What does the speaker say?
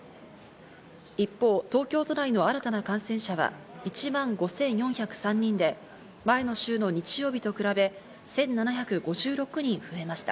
一方、東京都内の新たな感染者は１万５４０３人で、前の週の日曜日と比べ、１７５６人増えました。